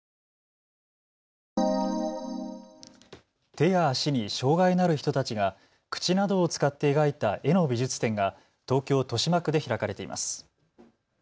手や足に障害のある人たちが口などを使って描いた絵の美術展が東京豊島区で開かれています。